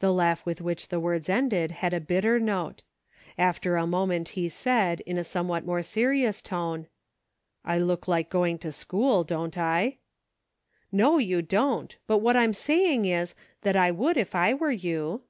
The laugh with which the words ended had a bitter note ; after a moment he said, m a some what more serious tone :" I look like going to school, don't I ?"" No, you don't ; but what I'm saying is, thai: i would if I were you."